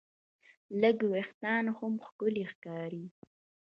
لږ وېښتيان هم ښکلي ښکاري.